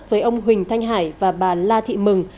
với ông huỳnh thanh hải và bà la thị mừng